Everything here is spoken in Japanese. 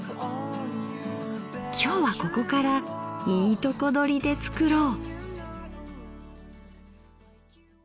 今日はここからいいとこ取りで作ろう。